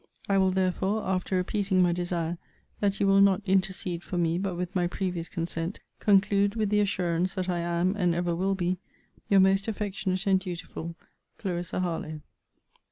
I will therefore, after repeating my desire that you will not intercede for me but with my previous consent, conclude with the assurance, that I am, and ever will be, Your most affectionate and dutiful CLARISSA HARLOWE.